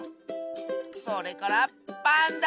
それからパンダ！